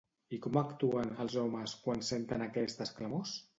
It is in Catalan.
I com actuen, els homes, quan senten aquestes clamors?